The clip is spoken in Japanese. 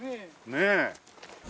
ねえ。